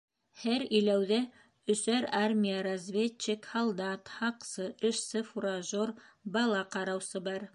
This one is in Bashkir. Һәр иләүҙә өсәр армия разведчик, һалдат, һаҡсы, эшсе-фуражер, бала ҡараусы бар.